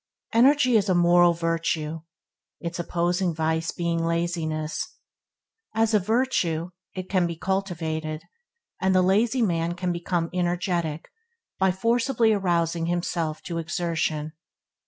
Energy is a moral virtue, its opposing vice being laziness. As a virtue, it can be cultivated, and the lazy man can become energetic by forcibly arousing himself to exertion.